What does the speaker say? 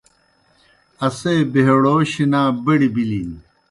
اسے بَہڑَو شِنا بڑیْ بِلِن۔